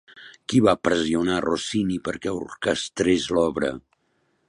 Qui va pressionar Rossini perquè orquestres l'obra?